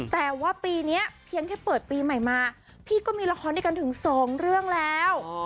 แต่ว่าปีนี้เพียงแค่เปิดปีใหม่มาพี่ก็มีละครด้วยกันถึง๒เรื่องแล้ว